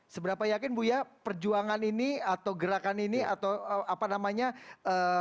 seberapa yakin buya perjuangan ini atau gerakan ini atau apa namanya kebijakan ini apa yang akan diperlukan